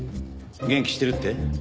元気してるって？